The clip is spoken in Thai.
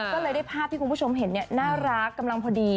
ก็เลยได้ภาพที่คุณผู้ชมเห็นน่ารักกำลังพอดี